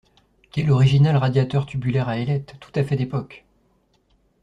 Quel original radiateur tubulaire à ailettes, tout à fait d'époque!